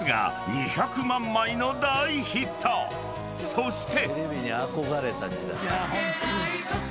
［そして］